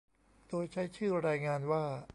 โดยใช้ชื่อรายงานว่า